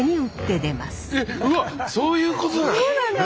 うわっそういうことなんだ。